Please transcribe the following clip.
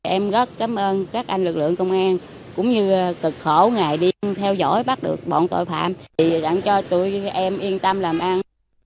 em rất cảm ơn các anh lực lượng công an cũng như cực khổ ngày đi theo dõi bắt được bọn tội phạm thì đảng cho tụi em yên tâm làm ăn